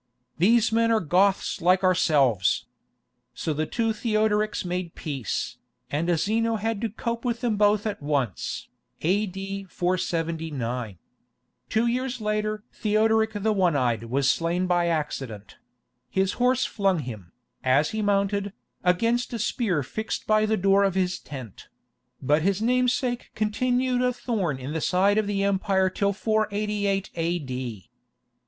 These men are Goths like ourselves." So the two Theodorics made peace, and Zeno had to cope with them both at once [A.D. 479]. Two years later Theodoric the One Eyed was slain by accident—his horse flung him, as he mounted, against a spear fixed by the door of his tent—but his namesake continued a thorn in the side of the empire till 488 A.D.